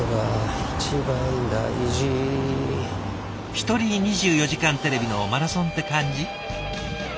１人「２４時間テレビ」のマラソンって感じ？